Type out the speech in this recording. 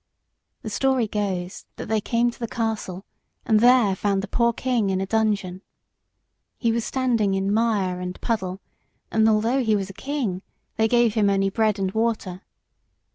The story goes, that they came to the castle and there found the poor king in a dungeon. He was standing in mire and puddle, and, although he was a king, they gave him only bread and water.